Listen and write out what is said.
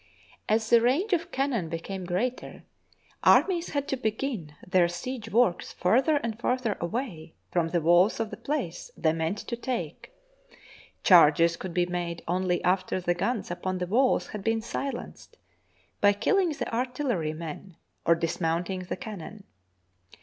As the range of cannon became greater, armies had to begin their siege works farther and farther away from the walls of the place they meant to take ; charges could be made only after the guns upon the walls had been silenced by killing the artillerymen or dismounting the can non.